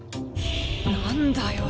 何だよ！